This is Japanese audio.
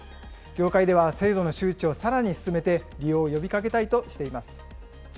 業界では制度の周知をさらに進めて、利用を呼びかけたいとしています。